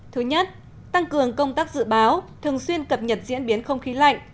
thứ nhất tăng cường công tác dự báo thường xuyên cập nhật diễn biến không khí lạnh